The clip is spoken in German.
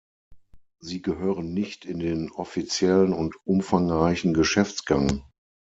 Sie gehören nicht in den offiziellen und umfangreichen Geschäftsgang.